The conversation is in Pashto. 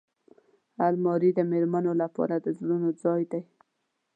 الماري د مېرمنو لپاره د زرونو ځای دی